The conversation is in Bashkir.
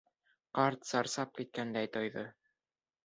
Ҡарт сарсап киткәнен тойҙо.